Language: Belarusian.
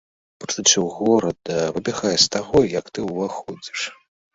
Пачуццё горада выбягае з таго, як ты ўваходзіш.